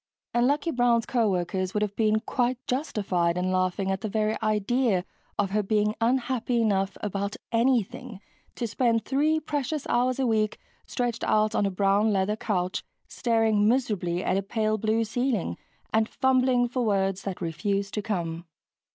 And Lucky Brown's co workers would have been quite justified in laughing at the very idea of her being unhappy enough about anything to spend three precious hours a week stretched out on a brown leather couch staring miserably at a pale blue ceiling and fumbling for words that refused to come.